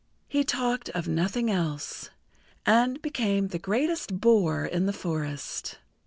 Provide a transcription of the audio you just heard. He talked of nothing else, and became the greatest bore in the forest.